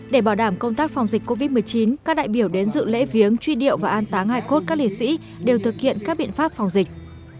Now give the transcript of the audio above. để bảo đảm công tác phòng dịch covid một mươi chín các đại biểu đến dự lễ viếng truy điệu và an táng hải cốt các liệt sĩ đều thực hiện các biện pháp phòng dịch